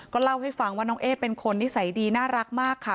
เล่าให้ฟังว่าน้องเอ๊เป็นคนนิสัยดีน่ารักมากค่ะ